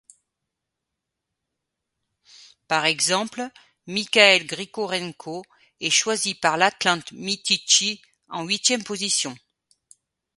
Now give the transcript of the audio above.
Par exemple, Mikhaïl Grigorenko est choisi par l'Atlant Mytichtchi en huitième position.